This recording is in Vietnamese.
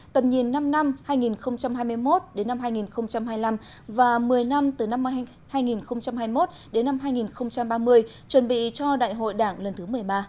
tầm nhìn năm năm hai nghìn hai mươi một đến năm hai nghìn hai mươi năm và một mươi năm từ năm hai nghìn hai mươi một đến năm hai nghìn ba mươi chuẩn bị cho đại hội đảng lần thứ một mươi ba